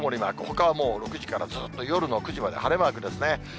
ほかはもう、６時から夜の９時まで晴れマークですね。